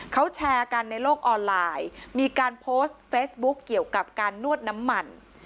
เขาแชร์กันในโลกออนไลน์มีการโพสต์เฟซบุ๊คเกี่ยวกับการนวดน้ำมัน